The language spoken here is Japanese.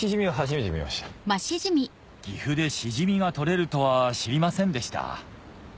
岐阜でシジミが採れるとは知りませんでした